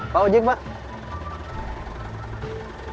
pak ojek pak